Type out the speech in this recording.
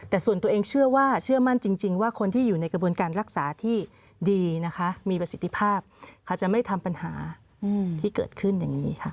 แต่ส่วนตัวเองเชื่อว่าเชื่อมั่นจริงว่าคนที่อยู่ในกระบวนการรักษาที่ดีนะคะมีประสิทธิภาพเขาจะไม่ทำปัญหาที่เกิดขึ้นอย่างนี้ค่ะ